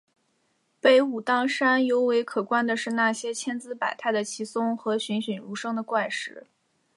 北武当山尤为可观的是那些千姿百态的奇松和栩栩如生的怪石。